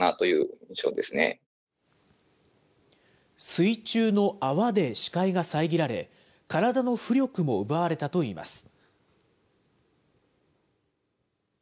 水中の泡で視界が遮られ、体の浮力も奪われたといいます。